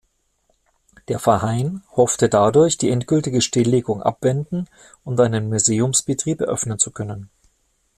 Der Verein hoffte dadurch die endgültige Stilllegung abwenden und einen Museumsbetrieb eröffnen zu können.